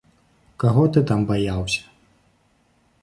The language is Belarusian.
Каго ты там баяўся?